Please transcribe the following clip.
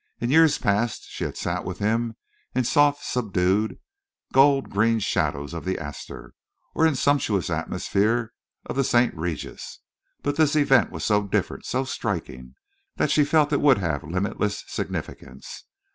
In years past she had sat with him in the soft, subdued, gold green shadows of the Astor, or in the sumptuous atmosphere of the St. Regis. But this event was so different, so striking, that she felt it would have limitless significance.